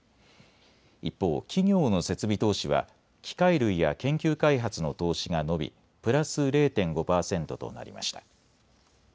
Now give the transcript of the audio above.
一方、企業の設備投資は機械類や研究開発の投資が伸びプラス０．５％となりました。